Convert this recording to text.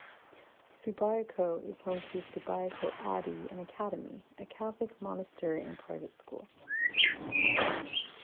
Subiaco is home to Subiaco Abbey and Academy, a Catholic monastery and private school.